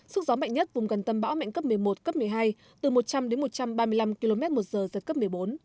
sức gió mạnh nhất vùng gần tâm bão mạnh cấp một mươi một cấp một mươi hai từ một trăm linh đến một trăm ba mươi năm km một giờ giật cấp một mươi bốn